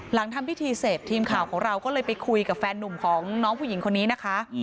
หลังทำพิธีเสร็จทีมข่าวของเราก็เลยไปคุยกับแฟนนุ่มของน้องผู้หญิงคนนี้นะคะ